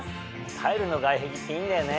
タイルの外壁っていいんだよね。